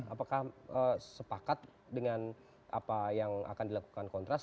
apakah sepakat dengan apa yang akan dilakukan kontras